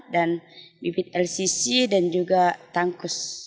dan bibit lcc dan juga tangkus